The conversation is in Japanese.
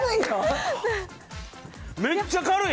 めっちゃ軽い。